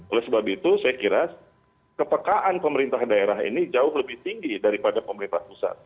oleh sebab itu saya kira kepekaan pemerintah daerah ini jauh lebih tinggi daripada pemerintah pusat